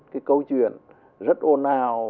cái câu chuyện rất ồn ào